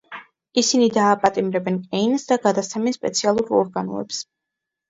ისინი დააპატიმრებენ კეინს და გადასცემენ სპეციალურ ორგანოებს.